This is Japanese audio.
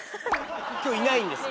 今日いないんですよ。